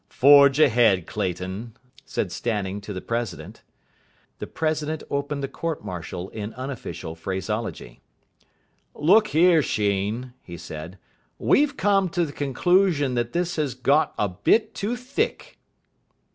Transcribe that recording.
"Forge ahead, Clayton," said Stanning to the president. The president opened the court martial in unofficial phraseology. "Look here, Sheen," he said, "we've come to the conclusion that this has got a bit too thick."